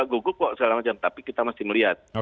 gogo kok selama jam tapi kita masih melihat